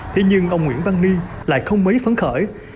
thế nhưng ông nguyễn văn ni lại không mấy phấn khởi